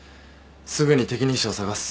すぐに適任者を探す。